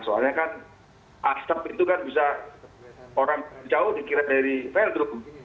soalnya kan asap itu kan bisa orang jauh dikira dari veldrome